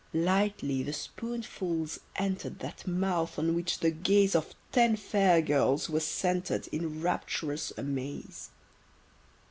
Lightly the spoonfuls enter'd That mouth on which the gaze Of ten fair girls was centred In rapturous amaze.